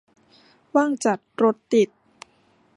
ว่างจัด รถติด